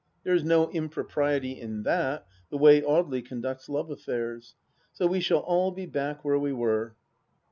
There is no impropriety in that, the way Audely conducts love affairs. So we shall all be back where we were.